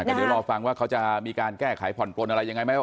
แต่เดี๋ยวรอฟังว่าเขาจะมีการแก้ไขผ่อนปลนอะไรยังไงไหม